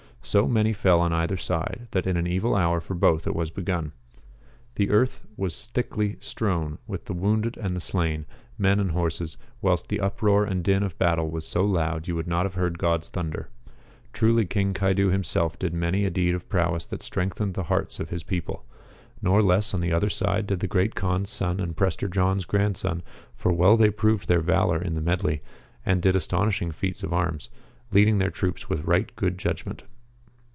So many fell on either side that in an evil hour for both it was begun ! The earth was thickly strown with the wounded and the slain, men and horses, whilst the uproar and din of battle was so loud you would not have heard God's thunder ! Truly King Caidu him self did many a deed of prowess that strengthened the hearts of his people. Nor less on the other side did the Great Kaan's son and Prester John's grandson, for well they proved their valour in the medley, and did astonishing feats of arms, leading their troops with right good judg ment.